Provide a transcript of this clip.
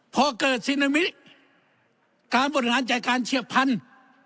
พอเกิดซึนามิการบริหารจัดการเฉียบพันธุ์